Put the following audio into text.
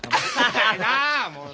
痛いなもう！